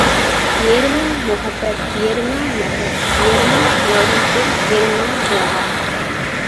يېرىمىڭ مۇھەببەت، يېرىمىڭ نەپرەت، يېرىمىڭ مەغرۇردۇر، يېرىمىڭ دوڭغاق.